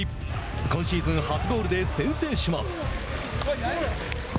今シーズン初ゴールで先制します。